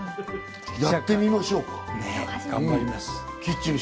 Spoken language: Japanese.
やってみましょうか。